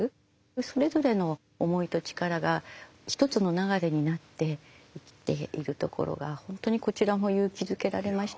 それぞれの思いと力が一つの流れになってできているところが本当にこちらも勇気づけられました。